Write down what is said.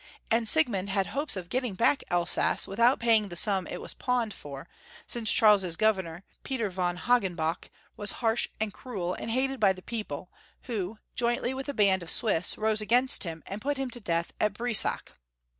And Siegmund had hopes of getting back Elsass without paying the sum it was pawned for, since Charles's governor, Peter von Hagenbach, was harsh and cruel, and hated by the people, who jointly with a band of Swiss, rose against him, and put him to death at Breisach.